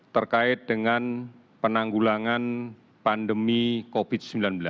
terkait dengan penanggulangan pandemi covid sembilan belas